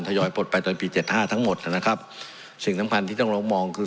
ยอยปลดไปตอนปีเจ็ดห้าทั้งหมดนะครับสิ่งสำคัญที่ต้องลองมองคือ